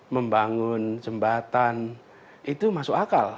membangun jembatan itu masuk akal